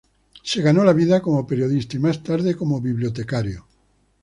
Se ganó la vida como periodista y, más tarde, como bibliotecario.